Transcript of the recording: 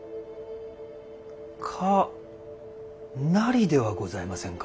「可なり」ではございませんか。